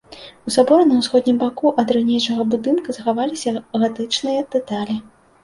У саборы на ўсходнім боку ад ранейшага будынка захаваліся гатычныя дэталі.